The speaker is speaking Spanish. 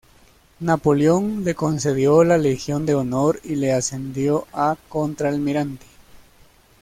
Napoleón le concedió la Legión de Honor y le ascendió a contralmirante.